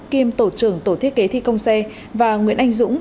kiêm tổ trưởng tổ thiết kế thi công xe và nguyễn anh dũng